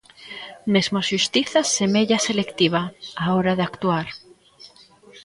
Mesmo a xustiza semella selectiva á hora de actuar.